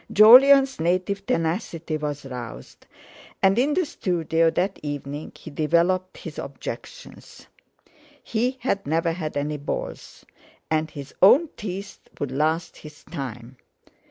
Jolyon's native tenacity was roused, and in the studio that evening he developed his objections. He had never had any boils, and his own teeth would last his time.